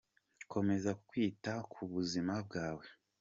Komeza kwita ku buzima bwawe.